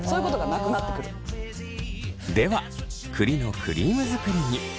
では栗のクリーム作りに。